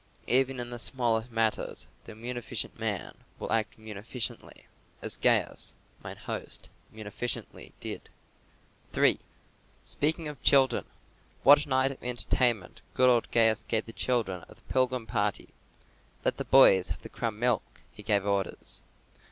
Even in the smallest matters the munificent man will act munificently!" As Gaius, mine host, munificently did. 3. Speaking of children, what a night of entertainment good old Gaius gave the children of the pilgrim party! "Let the boys have the crumbed milk," he gave orders.